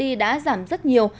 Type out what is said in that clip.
đi đã giảm rất nhiều